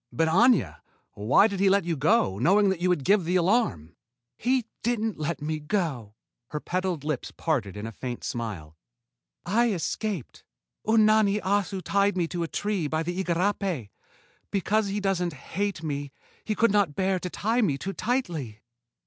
"But, Aña! Why did he let you go, knowing that you would give the alarm?" "He didn't let me go." Her petaled lips parted in a faint smile. "I escaped. Unani Assu tied me to a tree by the igarapé. Because he doesn't ... hate me, he could not bear to tie me too tightly."